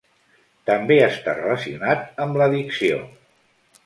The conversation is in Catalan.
També està relacionat amb l'addicció.